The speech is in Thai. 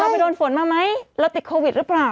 ไปโดนฝนมาไหมเราติดโควิดหรือเปล่า